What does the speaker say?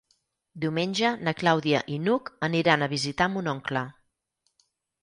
Diumenge na Clàudia i n'Hug aniran a visitar mon oncle.